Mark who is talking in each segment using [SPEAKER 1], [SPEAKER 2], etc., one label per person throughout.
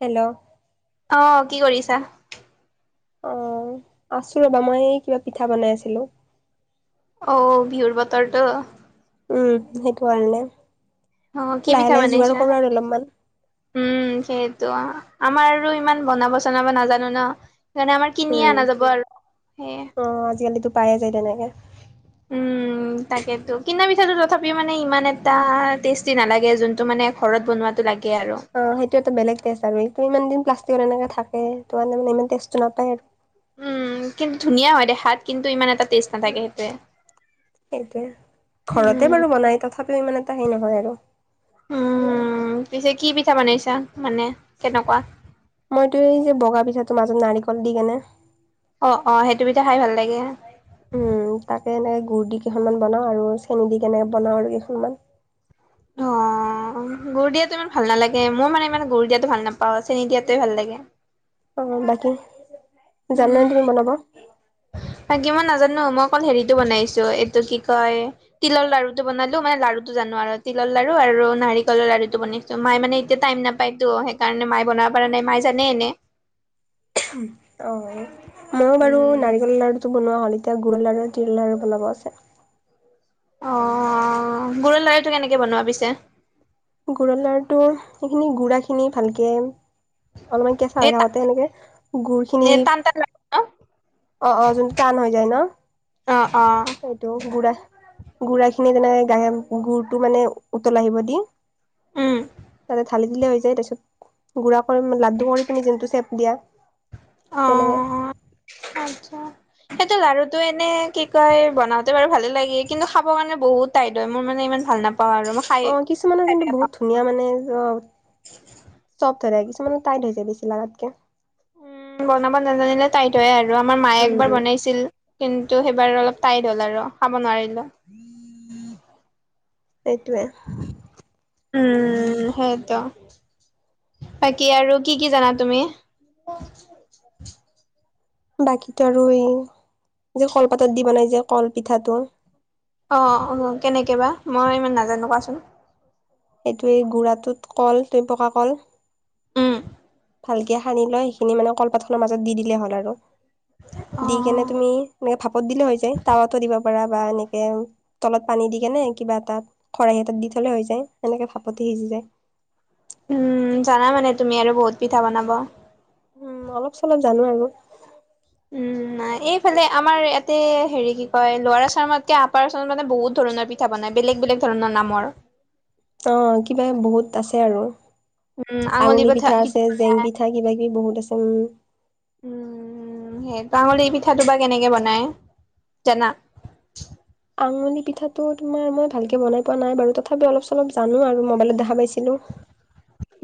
[SPEAKER 1] Hello
[SPEAKER 2] অ কি কৰিছা
[SPEAKER 1] অ আছো ৰবা মই এই কিবা পিঠা বনাই আছিলো
[SPEAKER 2] অ বিহুৰ বতৰটো
[SPEAKER 1] উম সেইটো কাৰণে
[SPEAKER 2] অ কি
[SPEAKER 1] লাহে
[SPEAKER 2] পিঠা
[SPEAKER 1] লাহে যোগাৰ
[SPEAKER 2] বনাইছা
[SPEAKER 1] কৰো আৰু অলপমান
[SPEAKER 2] উম সে ত আমাৰ আৰু ইমান বনাব চনাব নাজানো ন সেইকাৰণে আমাৰ কিনি
[SPEAKER 1] উম
[SPEAKER 2] অনা যাব আৰু সেইয়ে
[SPEAKER 1] সেই তেনেকে
[SPEAKER 2] উ তাকেটো কিনা পিঠাটো তথাপিও মানে ইমান এটা টেষ্টি নালাগে যোনটো মানে ঘৰত বনোৱাটো লাগে আৰু।
[SPEAKER 1] অ সেইটো এটা বেলেগ টেষ্ট আৰু ইমান দিন পা এনেকে থাকে ত মানে ইমান টেষ্টটো নাপায় ইয়াত
[SPEAKER 2] উম কিন্তু ধুনীয়া হয় দেখাত কিন্তু ইমান এটা টেষ্ট নাথাকে সেইটোৱে
[SPEAKER 1] সেইটোৱে ঘৰতে
[SPEAKER 2] উম,
[SPEAKER 1] বাৰু বনাই তথাপিও ইমান এটা হেই নহয় আৰু
[SPEAKER 2] উম পিছে কি পিঠা বনাইছা মানে কেনেকোৱা
[SPEAKER 1] এটো এই যে বগা পিঠাৰ মাজত নাৰিকল দি কেনে
[SPEAKER 2] অ অ সেইটো পিঠা খাই ভাল লাগে
[SPEAKER 1] গুৰ দি কেইখনমান বনাওঁ আৰু চেনি দি কেনে বনাওঁ আৰু কেইখনমান
[SPEAKER 2] অ গুুৰ দিয়াটো ইমান ভাল নালাগে মই মানে ইমান গুৰ দিয়াতো ভাল নাপাও চেনি দিয়াতোৱে ভাল লাগে
[SPEAKER 1] অ বাকী জানা নাই তুমি বনাব
[SPEAKER 2] বাকী মই নাজানো মই অকল হেৰিটো বনাইছো এইটো কি কয় তিলৰ লাৰু টো বনালো মানে লাৰু টো জানো আৰু তিলৰ লাৰু আৰু নাৰিকলৰ লাৰুটো বনাইছো মায়ে এতিয়া টাইম নাপায়তো সেইকাৰণে মাই বনাব পৰা মাই জানে এনে
[SPEAKER 1] অ ময়ো বাৰু
[SPEAKER 2] উম
[SPEAKER 1] নাৰিকল লাৰু বস্তু বনোৱা হ'ল এতিয়া গুৰৰ লাৰু আৰু তিল লাৰু বনাব আছে
[SPEAKER 2] অ গুৰৰ লাৰুটো কেনেকে বনোৱা পিছে
[SPEAKER 1] গু়ৰৰ লাৰুটো এইখিনি গুড়া খিনি ভালকে অলপমান কেঁচা হৈ
[SPEAKER 2] এই
[SPEAKER 1] থাকোতে এনেকে গুৰ খিনি
[SPEAKER 2] টান টান লাগে ন?
[SPEAKER 1] অ অ যোনটো টান হৈ যায় ন
[SPEAKER 2] অ অ
[SPEAKER 1] সেইটো গুড়া গুড়াখিনি যেনেকে গা গুৰটো মানে উতল আহিব দি,
[SPEAKER 2] উম
[SPEAKER 1] তাতে থালি দিলে হৈ যায় তাৰপিছত, গুড়া কৰি লাডু কৰি তুমি যোনটো চেপ দিয়া তেনেকে।
[SPEAKER 2] অ আচ্ছা সেইটো লাৰুটো এনে কি কয় বনাওঁতে বাৰু ভালে লাগে কিন্তু খাব কাৰণে বহুত টাইট হয়, মোৰ মানে ইমান ভাল না
[SPEAKER 1] অ কিছুমানৰ কিন্তু বহুত ধুনীয়া মানে অ চফ হৈ থাকে কিছুমান টাইট হৈ যায় বেছি লাগাতকে
[SPEAKER 2] উম বনাব নাজানিলে তাইত হয়ে আৰু আমাৰ মায়ে
[SPEAKER 1] উম,
[SPEAKER 2] একবাৰ বনাইছিল কিন্ত ত সেইবাৰ অলপ টাইট হ'ল আৰু খাব নোৱাৰিলো
[SPEAKER 1] সেইটোৱে
[SPEAKER 2] উম হয়তো বাকী আৰু কি কি জানা তুমি
[SPEAKER 1] বাকীতো আৰু এই যে কলপাতত দি বনাই যে কলপিঠাটো
[SPEAKER 2] অ অ কেনেকে বা মই ইমান নাজানো কোৱাচোন
[SPEAKER 1] সেইটোয়ে গুড়াটোত কল ত পকা কল
[SPEAKER 2] উম
[SPEAKER 1] ভালকে সানি লৈ সেইখিনি মানে কলপাতখনৰ মাজত দি দিলে হ'ল আৰু
[SPEAKER 2] অ
[SPEAKER 1] দি কেনে তুমি এনে ভাব দিলে হৈ যায় তাওয়াত দিব পাৰ বা এনেকে তলত পানী দি কেনে কিবা এ খৰাহি এটাত দি হৈ যায় সেনেকে ফাপতে সিজি যায়
[SPEAKER 2] উম জানা মানে তুমি আৰু বহুত পিঠা বনাব
[SPEAKER 1] উম অলপ চলপ জানো আৰু
[SPEAKER 2] উম এইফালে আমাৰ ইয়াতে হেৰি কি কয় লয়াৰআছাম আপাৰআছাম মানে বহুত ধৰ প্ৰণয় পিঠা বনাই বেলেগ বেলেগ ধৰণৰ নামৰ
[SPEAKER 1] অ কিবা বহুত আছে আৰু। আঙুলি পিঠা আছে, জেং পিঠা কিবা -কিবি বহুত আছে উম।
[SPEAKER 2] উম। উম সেইটো আঙলি পিঠাটো বা কেনেকে বনাই জানা?
[SPEAKER 1] আঙনি পিঠাটো তোমাৰ মই ভালকে বনাই পোৱা নাই বাৰু তথাপি অলপ চলপ জানো আৰু মবাইলত দেখা পাইছিলো।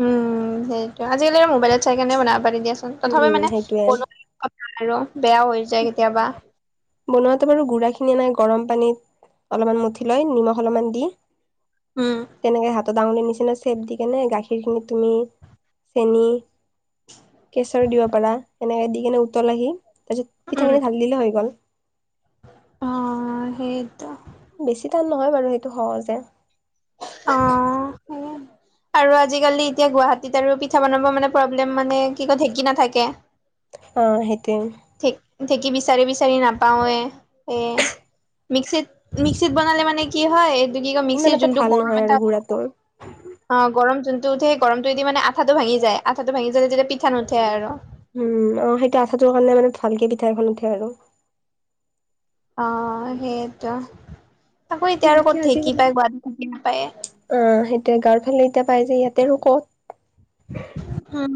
[SPEAKER 2] উম, সেইটো আজিকালি মোবাইলত চাই কিনে বনাব পাৰি দিয়া তথাপি
[SPEAKER 1] উম
[SPEAKER 2] মানে
[SPEAKER 1] সেইটোয়ে
[SPEAKER 2] আৰু বেয়া হৈ যায় কেতিয়াবা।
[SPEAKER 1] বনোৱাতে বাৰু গুড়াখিনি এ নাই গৰম পানী অলপমান মঠি লৈ, নিমখ অলপমান দি
[SPEAKER 2] উম,
[SPEAKER 1] তেনেকে হাত ডাঙলিৰ নিচিনা চেপ দি কিনে গাখীৰখিনি তুমি চেনি কেঁচৰ দিব পাৰা, এনেকে দি কেনে উতল আহি তাৰপিছত
[SPEAKER 2] উম।
[SPEAKER 1] পিঠাখিনি ঢালি দিলে হৈ গ'ল।
[SPEAKER 2] অ সেইটো।
[SPEAKER 1] বেছি টান নহয় বাৰু সেইটো সহজে।
[SPEAKER 2] অ।
[SPEAKER 1] [unintelligible]
[SPEAKER 2] আৰু আজিকালি এতিয়া গুৱাহাটীত আৰু পিঠা বনাব মানে প্ৰব্লেম মানে কি কয় ঢেঁকী নাথাকে।
[SPEAKER 1] অ সেইটোৱে।
[SPEAKER 2] ঢে ঢেঁকী বিচাৰি বিচাৰি নাপাওঁৱে সেয়ে। মিক্সিত -মিক্সিত বনালে মানে কি হয় এইটো কি ক
[SPEAKER 1] ইমান
[SPEAKER 2] মিক্সিৰ
[SPEAKER 1] এটা
[SPEAKER 2] যোনটো
[SPEAKER 1] ভাল
[SPEAKER 2] গৰম
[SPEAKER 1] নহয় আৰু
[SPEAKER 2] এটা
[SPEAKER 1] গুড়াটো।
[SPEAKER 2] অ গৰম যোনটো উঠে, সেই গৰমটোদি মানে আঠাটো ভাঙি যায়, আঠাটো ভাঙি জালে তেতিয়া পিঠা নুঠে আৰু।
[SPEAKER 1] উম আৰু সেইটো আঠাটোৰ কাৰণে মানে ভালকে পিঠা এখন উঠে আৰু।
[SPEAKER 2] অ সেইটো। আকৌ এতিয়া আৰু
[SPEAKER 1] বাকী
[SPEAKER 2] ক'ত ঢেঁকী
[SPEAKER 1] আজিকালি
[SPEAKER 2] পায়, গুৱাহাটী ঢেকি নাপায়ে।
[SPEAKER 1] এতিয়া গাঁওৰ ফালে এতিয়া পাই যে ইয়াতে আৰু ক'ত?
[SPEAKER 2] উম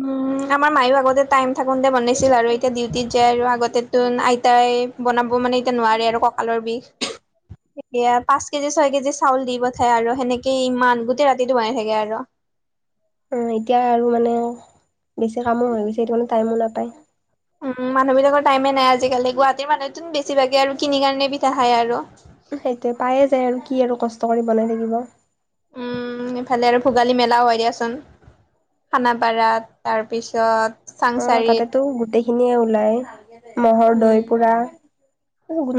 [SPEAKER 2] আমাৰ মায়ো আগতে টাইম থাকোনতে বনাইছিল আৰু এতিয়া ডিউটিত যায় আৰু আগতেটো না আইতাই বনাব মানে এতিয়া নোৱাৰে আৰু কঁকালৰ বিষ। সেয়া পাঁচ কেজি ছয় কেজি চাউল দি পঠাই আৰু সেনেকেই ইমান গোটেই ৰাতিটোটো বনাই থাকে আৰু।
[SPEAKER 1] অ এতিয়া আৰু মানে বেছি কামো হৈ গৈছে সেটো মানে টাইমো নাপায়।
[SPEAKER 2] উ মানুহ বিলাকৰ টাইমে নাই আজিকালি গুৱাহাটীৰ মানুহ বেছিভাগে আৰু কিনি কাৰণে পিঠা খায় আৰু।
[SPEAKER 1] সেইটোৱে পায়ে যায় আৰু কি আৰু কষ্ট কৰি বনাই থাকিব।
[SPEAKER 2] উম ইফালে আৰু ভোগালী মেলাও হয় দিয়াচোন খানাপাৰাত তাৰপিছত
[SPEAKER 1] অ
[SPEAKER 2] চাংচাৰিত
[SPEAKER 1] তাতেতো গোটেইখিনিয়ে ওলায়। মহ'ৰ
[SPEAKER 2] উম,
[SPEAKER 1] দৈ পুৰা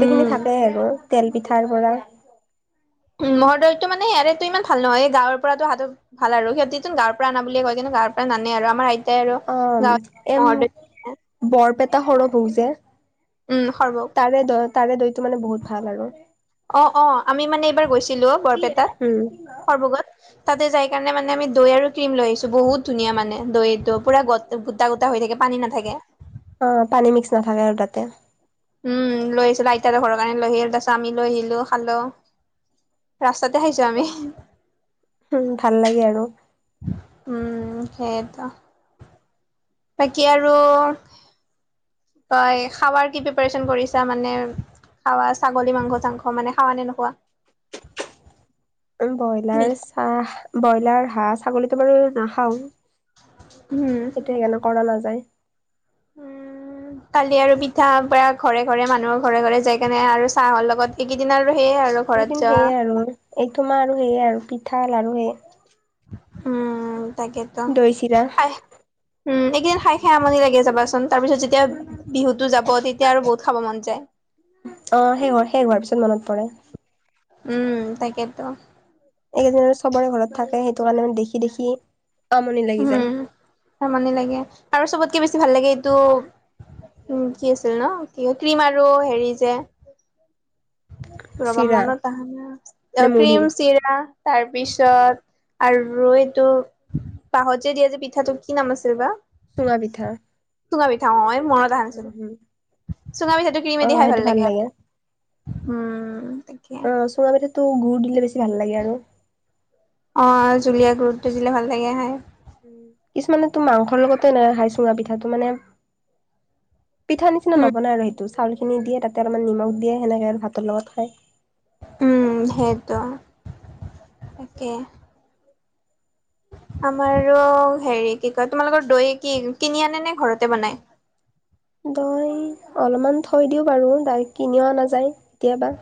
[SPEAKER 2] উম,
[SPEAKER 1] থাকে এইবোৰ। তেল পিঠাৰ পৰা
[SPEAKER 2] উম মহৰ দৈটো মানে ইয়াৰেটো ইমান ভাল নহয় এই গাঁৱৰ পৰাটো হাতত ভাল আৰু সিহঁতিতোন গাঁৱৰ পৰা অনা বুলিয়ে কয় কিন্তু তাৰ পৰা নানে আৰু আমাৰ আই
[SPEAKER 1] অম এম বৰপেটা হৰ বহু যে
[SPEAKER 2] উম সৰ্বক
[SPEAKER 1] টো মানে বহুত ভাল আৰু।
[SPEAKER 2] অ অ আমি মানে এইবাৰ গৈছিলো অ বৰপেটাত
[SPEAKER 1] উম
[SPEAKER 2] হৰ্বগত। তাতে যায় কাৰণে মানে আমি দৈ আৰু ক্ৰীম লৈ আহিছো বহুত ধুনীয়া মানে দৈটো পুৰা গ
[SPEAKER 1] অ পানী মিক্স নাথাকে আৰু তাতে।
[SPEAKER 2] উম লৈ আহছিলো আইতাতে ঘৰৰ কাৰণে লৈ আহিল তাৰপিছত আমি লৈ আহিলো খালো। ৰাস্তাতে হাহিছো আমি।
[SPEAKER 1] উম ভাল লাগে আৰু।
[SPEAKER 2] উম সেইটো। বাকী আৰু? তই খাৱাৰ কি প্ৰিপাৰেচন কৰিছা মানে? খাৱা ছাগলী মাংস চাংস মানে খাৱা নে নোখোৱা?
[SPEAKER 1] [inaudible] ব্ৰইলাৰ চাহ ব্ৰইলাৰ হাঁহ ছাগলীতটো বাৰু নাখাও।
[SPEAKER 2] উম
[SPEAKER 1] সেইটো সেইকাৰণে কৰা নাযায়। [inaudible]
[SPEAKER 2] উ কালি আৰু পিঠা পা ঘৰে ঘৰে মানুহৰ ঘৰে ঘৰে যাই কেনে আৰু চাহৰ লগত এইকেইদিনাৰ
[SPEAKER 1] এইকেইদিন সেয়ে আৰু এই তোমাৰ আৰু সেয়ে আৰু পিঠা লাৰু আৰু হেয়
[SPEAKER 2] উম তাকেতো উম
[SPEAKER 1] দৈ চিৰা
[SPEAKER 2] খাই উম এইকেইদিন খাই খাই আমনি লাগে যাবচোন তাৰপিছত যেতিয়া বিহুতটো যাব তেতিয়া আৰু বহুত খাব মন যায়
[SPEAKER 1] অ শেষ হ শেষ হোৱাৰ পিছত মনত পৰে
[SPEAKER 2] উম তাকেইেতো
[SPEAKER 1] এইকেইদিন আৰু চবৰে ঘৰত থাকে সেইটো কাৰণে দেখি দেখি আমনি লাগি যায়
[SPEAKER 2] উম আমনিলাগে আৰু চবতকে বেছি ভাল লাগে এইটো উম কি আছিল ন কি ক্ৰীম আৰু হেৰি যে ৰবা
[SPEAKER 1] চিৰা
[SPEAKER 2] মনত আহানা
[SPEAKER 1] নে মুড়ি
[SPEAKER 2] ক্ৰীম চিৰা তাৰপিছত আৰু এইটো বাহঁতে দিয়া যে পিঠাটো কি নাম আছিল বা
[SPEAKER 1] চুঙা পিঠা
[SPEAKER 2] চুঙা পিঠা অ মই মনত আহনিছে
[SPEAKER 1] উম হুম
[SPEAKER 2] চুঙা পিঠাটো
[SPEAKER 1] অ
[SPEAKER 2] কিনমেদি খাই ভাল
[SPEAKER 1] সেইটো
[SPEAKER 2] লাগে হম
[SPEAKER 1] আহ চুঙাটো গুড় দিলে বেছি ভাল লাগে আৰু
[SPEAKER 2] অ জুলীয়া গুৰুতটো দিলে ভাল লাগে খায়।
[SPEAKER 1] কিছুমানে তো মাংসৰ লগতে ন খাই চুঙা পিঠাটো মানে পিঠা নিচিনা
[SPEAKER 2] উম
[SPEAKER 1] নবনায় আৰু সেইটো চাউলখিনি দিয়ে তাতে অলপমান নিমখ দিয়ে হেনেকে আৰু ভাতৰ লগত খায়।
[SPEAKER 2] উম সেইটো তাকে
[SPEAKER 1] [inaudible]
[SPEAKER 2] আমাৰো হেৰি কি কয় তোমালোকৰ দৈ কি কিনি আনে নে ঘৰতে বনাই
[SPEAKER 1] দ অলপমান থৈ দিওঁ বাৰু দাৰেক কিনি অনা যায় কেতিয়াবা।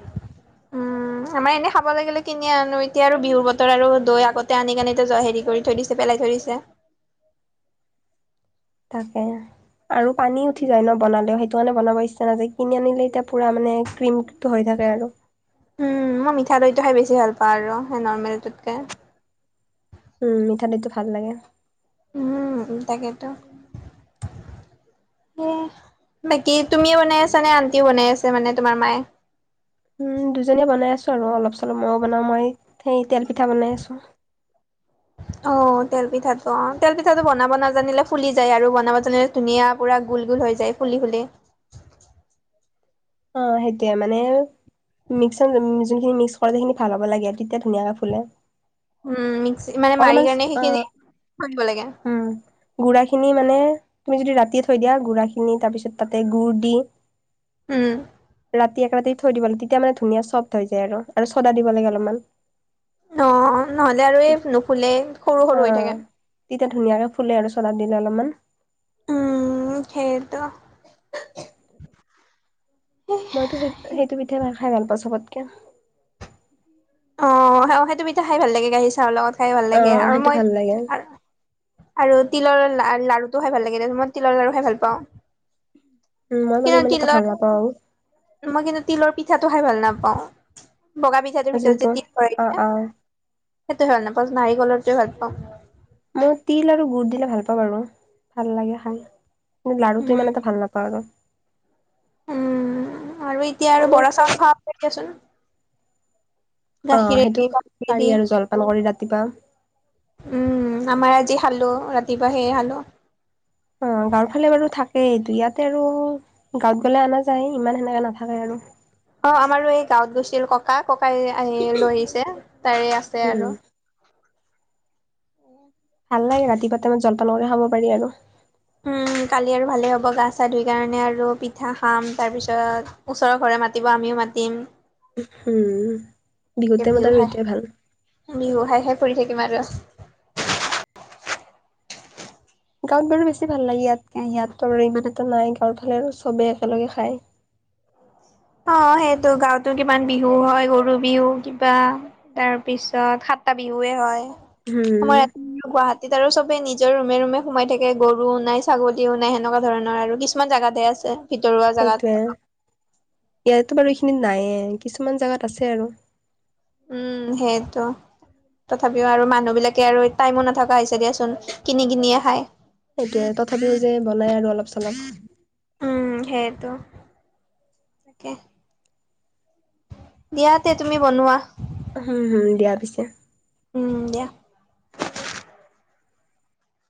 [SPEAKER 2] উম,
[SPEAKER 1] [inaudible]
[SPEAKER 2] আমাৰ এনে খাব লাগিলে কিনি আনো এতিয়া আৰু বিহু বতৰ আৰু দৈ আগতে আনি কিনে হেৰি কৰি থৈ দিছে পেলাই থৈ পিছে।
[SPEAKER 1] [inaudible] তাকে আৰু পানী উঠি যায় ন বনালে কাৰণে বনাব ইচ্ছা নাযায় কিনি আনিলে এতিয়া পুৰা মানে ক্ৰীমটো হৈ থাকে আৰু
[SPEAKER 2] খঠ লৈটোহে বেছি ভাল পাওঁ আৰু সেই নৰ্মেলটোতকে
[SPEAKER 1] উম মিঠা দৈ টো ভাল লাগে
[SPEAKER 2] উম তাকেইেতো বাকী তুমিও বনাই আছা নে আন্টিও বনাই আছ মানে তোমাৰ মায়ে।
[SPEAKER 1] উম দুজনীয়ে বনাই আছো আৰু অলপ চলপ মইো বনাও মই সেই তেল পিঠা বনাই আছো।
[SPEAKER 2] অ তেল পিঠাটো অ তেল পিঠাটো বনাব নাজানিলে ফুলি যায় আৰু বনাব জানিলে ধুনীয়া পুৰা গুল গুল হৈ যায় ফুলি ফুলি
[SPEAKER 1] [inaudible] অ সেইতিয়া মানে মিক্স যোনখিনি মিক্স কৰে সেইখিনি ভাল হ'ব লাগে আৰু তেতিয়া ধুনীয়াকে ফুলে
[SPEAKER 2] উম মিক্সি মানে মাৰি
[SPEAKER 1] অলপমান
[SPEAKER 2] কাৰণে সেইখিনি থৈ দিব লাগে
[SPEAKER 1] উম গুাৰখিনি মানে তুমি যদি ৰাতিয়ে থৈ দিয়া গুড়া খিনি তাৰপিছত তাতে গুড় দি
[SPEAKER 2] উম।
[SPEAKER 1] ৰাতি এক ৰাতি থৈ দিব লাগে তেতিয়া মানে ধুনীয়া চফ্ট হৈ যায় আৰু আৰু চদা দিব লাগে অলপমান।
[SPEAKER 2] অ নহ'লে আৰু এই নুফুলে সৰু সৰু হৈ
[SPEAKER 1] অ',
[SPEAKER 2] থাকে।
[SPEAKER 1] তেতিয়া ধুনীয়াকে ফুলে আৰু চলা দিলে অলপমান।
[SPEAKER 2] উম সেইটো
[SPEAKER 1] মইতো সেই সেইটো পিঠা ন খাই ভাল পাওঁ চবতকে।
[SPEAKER 2] অ সেইটো পিঠা খাই ভাল লাগে গাহীৰ চাহৰ লগত খাই ভাল লাগে
[SPEAKER 1] অ',
[SPEAKER 2] আৰু
[SPEAKER 1] সেইটো
[SPEAKER 2] মই
[SPEAKER 1] ভাল লাগে।
[SPEAKER 2] আ আৰু তিলৰ লাৰুটো খাই ভাল লাগে তেই তিলৰ লাৰু খাই ভাল পাওঁ।
[SPEAKER 1] উ মই মানে
[SPEAKER 2] কিন্তু
[SPEAKER 1] ইমান এটা
[SPEAKER 2] তিলৰ
[SPEAKER 1] ভাল নাপাওঁ।
[SPEAKER 2] মই কিন্তু তিলৰ পিঠাটো খাই ভাল নাপাওঁ। বগা পিঠাটোৰ ভিতৰত
[SPEAKER 1] যোনটো
[SPEAKER 2] যে তিল কয়
[SPEAKER 1] অ',
[SPEAKER 2] এতিয়া।
[SPEAKER 1] অ',
[SPEAKER 2] সেইটো ভাল নাপাওঁ, নাৰি কলৰটো ভাল পাওঁ।
[SPEAKER 1] মৌ তিল আৰু গুড় দিলে ভাল পাওঁ আৰু ভাল লাগে খাই। লাৰুটো
[SPEAKER 2] উম
[SPEAKER 1] ইমান এটা ভাল নাপাওঁ আৰু।
[SPEAKER 2] উম আৰু এতিয়া আৰু বৰা চাউন খাব দিয়াচোন।
[SPEAKER 1] অ', সেইটো
[SPEAKER 2] গাখিৰেদি
[SPEAKER 1] পাৰি
[SPEAKER 2] গখদি
[SPEAKER 1] আৰু জলপান কৰি ৰাতিপুৱা।
[SPEAKER 2] উম আমাৰ। আজি খালো ৰাতিপুৱা সে খালো।
[SPEAKER 1] অ গাঁৱৰ ফালে বাৰু থাকেইটো ইয়াতে আৰু গাঁৱত গলে অনা যায়, ইমান সেনেকা নাথাকে আৰু
[SPEAKER 2] অ আমাৰো এই গাঁৱত গৈছিল ককা ককাই আহি লৈ আহিছে তাৰে আছে
[SPEAKER 1] উম,
[SPEAKER 2] আৰু
[SPEAKER 1] ভাল লাগে ৰাতিপুৱা টাইমত জলপানৰে খাব পাৰি আৰু
[SPEAKER 2] উম কালি আৰু ভালে হ'ব গা চা ধুই কাৰণে আৰু পিঠা খাম তাৰ পিছত ওচৰৰ ঘৰে মাতি আমিও মাতিম।
[SPEAKER 1] শুম বিহু টাইম আৰু এইটোৱে ভাল।
[SPEAKER 2] হে কৰি থাকিম আৰু
[SPEAKER 1] গাঁৱত বাৰু বেছি ভাল লাগে, ইয়াতকে ইয়াতো ইমানো নাই গাঁৱৰ ফালে আৰু চবেই একেলগে খায়। [inaudible]
[SPEAKER 2] অ সেইটো গাঁৱতো কিমান বিহু হয় গৰু বিহু কিবা, তাৰপিছত টা বিহু হে হয়। আমাৰ
[SPEAKER 1] শুম
[SPEAKER 2] ইয়াত গুৱাহাটীত আৰু চবে নিজৰ ৰুমে ৰুমে সোমাই থাকে, গৰুও নাই ছাগলীও নাই সেনেুৱা ধৰণৰ আৰু কিছুমান জাগাত জাতে আছে ভিতৰুৱা
[SPEAKER 1] সেইটোয়ে।
[SPEAKER 2] জাগাত।
[SPEAKER 1] ইয়াতো বাৰু এইখিনিত নাইে, কিছুমান জোগাত আছে আৰু।
[SPEAKER 2] উম সেইটো। তথাপিও আৰু মানুহ বিলাকে আৰু টাইমো নথকা হৈছে দিয়াচোন কিনি কিনিয়ে খাই।
[SPEAKER 1] সেইটোৱে তথাপিও যে বনাই আৰু অলপ চলপ।
[SPEAKER 2] উম সেইটো তাকে। দিয়া তে তুমি বনোৱা।
[SPEAKER 1] হুম হুম দিয়া পিছে।
[SPEAKER 2] উম দিয়া।